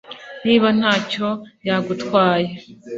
Niba nta cyo yagutwaye